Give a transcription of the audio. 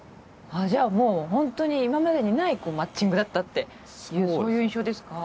じゃあもうホントに今までにないマッチングだったってそういう印象ですか？